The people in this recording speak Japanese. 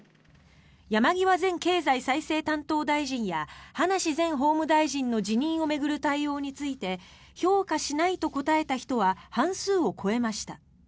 山際前経済再生担当大臣や葉梨前法務大臣の辞任を巡る対応について評価しないと答えた人は半数を超えました。